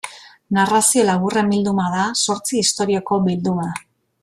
Narrazio laburren bilduma da, zortzi istorioko bilduma.